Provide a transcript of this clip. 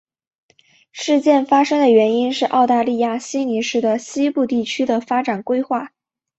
事件发生的原因是澳大利亚悉尼市的西部地区的发展规划。